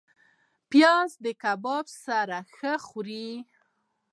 پیاز د کباب سره ښه خوري